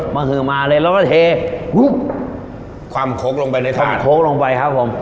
มาเหมาะเลยแล้วก็เทความโค้กลงไปในถาดความโค้กลงไปครับผม